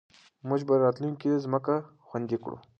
موږ به راتلونکې کې ځمکه خوندي کړو.